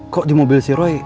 kok di mobil si roy